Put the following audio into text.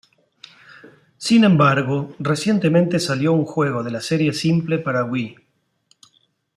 Sin embargo recientemente salió un juego de la "Serie Simple" para Wii.